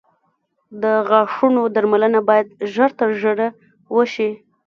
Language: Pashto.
د غاښونو درملنه باید ژر تر ژره وشي.